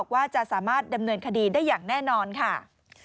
ว่าจะสามารถดำเนินคดีได้อย่างแน่นอนค่ะ